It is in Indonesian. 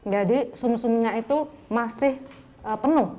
jadi sum sumnya itu masih penuh